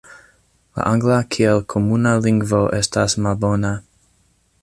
La angla kiel komuna lingvo estas malbona.